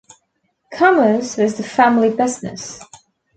Commerce was the family business.